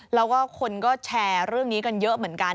แล้วก็คนก็แชร์เรื่องนี้กันเยอะเหมือนกัน